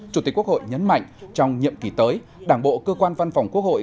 chủ tịch quốc hội nhấn mạnh trong nhiệm kỳ tới đảng bộ cơ quan văn phòng quốc hội